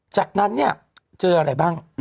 จากนั้นเนี่ยเจออะไรบ้าง